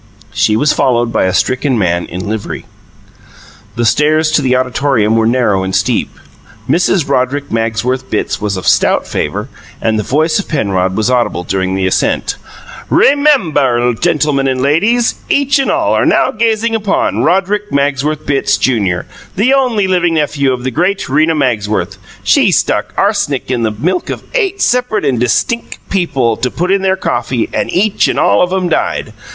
She was followed by a stricken man in livery. The stairs to the auditorium were narrow and steep; Mrs. Roderick Magsworth Bitts was of a stout favour; and the voice of Penrod was audible during the ascent. "RE MEM BUR, gentilmun and lay deeze, each and all are now gazing upon Roderick Magsworth Bitts, Junior, the only living nephew of the great Rena Magsworth. She stuck ars'nic in the milk of eight separate and distinck people to put in their coffee and each and all of 'em died.